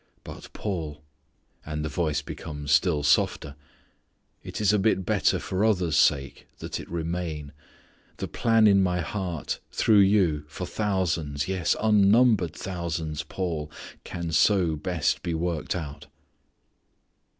But Paul" and the voice becomes still softer "it is a bit better for others' sake that it remain: the plan in My heart through you for thousands, yes, unnumbered thousands, Paul, can so best be worked out."